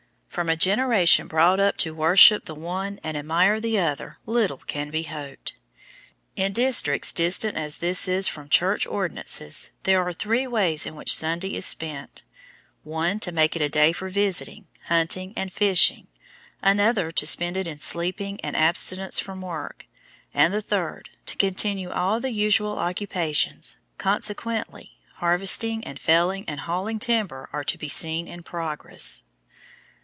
From a generation brought up to worship the one and admire the other little can be hoped. In districts distant as this is from "Church Ordinances," there are three ways in which Sunday is spent: one, to make it a day for visiting, hunting, and fishing; another, to spend it in sleeping and abstinence from work; and the third, to continue all the usual occupations, consequently harvesting and felling and hauling timber are to be seen in progress.